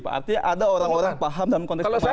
artinya ada orang orang paham dalam konteks kemahaman saya